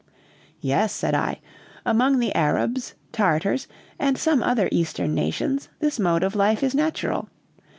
"Yes," said I. "Among the Arabs, Tartars, and some other Eastern nations, this mode of life is natural.